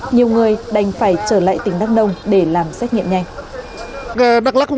nhiều người đành phải trở lại tỉnh đắk nông để làm xét nghiệm nhanh